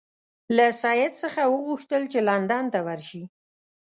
له سید څخه وغوښتل چې لندن ته ورشي.